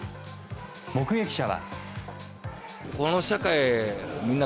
目撃者は。